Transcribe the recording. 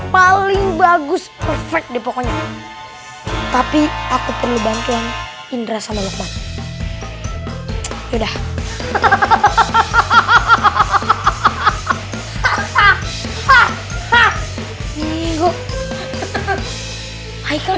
paling bagus perfect di pokoknya tapi aku perlu bantuan indra sama lho hai udah hahaha hahaha